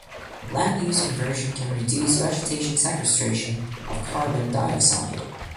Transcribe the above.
Land use conversion can reduce vegetation sequestration of carbon dioxide.